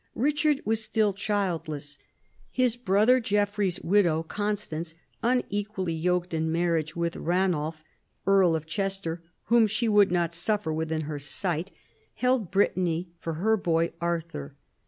Eichard was still childless. His brother Geoffrey's widow, Constance, unequally yoked in marriage with Eanulf, earl of Chester, whom she would not suffer within her sight, held Brittany for her boy Arthur.